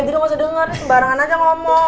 jadi lo gak usah denger sembarangan aja ngomong